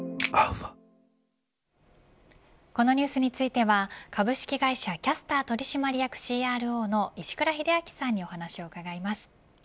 このニュースについては株式会社キャスター取締役ＣＲＯの石倉秀明さんにお話を伺います。